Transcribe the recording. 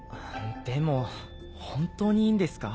でも本当にいいんですか？